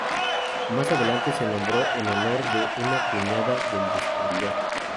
Más adelante se nombró en honor de una cuñada del descubridor.